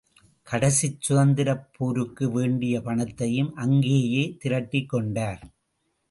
கடைசிச் சுதந்திரப் போருக்கு வேண்டிய பணத்தையும் அங்கேயே திரட்டிக்கொண்டார்.